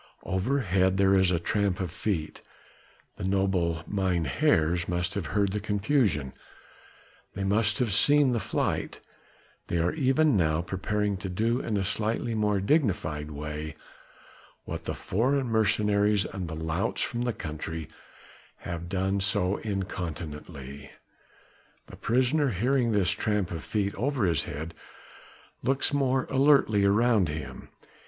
Overhead there is a tramp of feet; the noble mynheers must have heard the confusion, they must have seen the flight; they are even now preparing to do in a slightly more dignified way what the foreign mercenaries and the louts from the country have done so incontinently. The prisoner, hearing this tramp of feet over his head, looks more alertly around him.